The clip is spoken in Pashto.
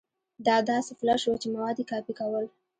دا داسې فلش و چې مواد يې کاپي کول.